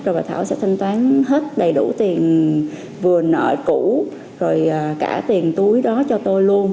rồi bà thảo sẽ thanh toán hết đầy đủ tiền vừa nợ cũ rồi cả tiền túi đó cho tôi luôn